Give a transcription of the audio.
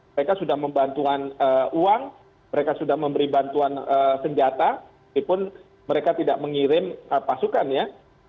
mereka sudah membantukan uang mereka sudah memberi bantuan senjata walaupun mereka tidak mengirim pasukan ya